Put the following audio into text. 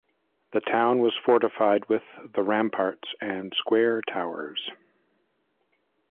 The town was fortified with the ramparts and square towers.